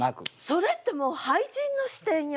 それってもう俳人の視点よ！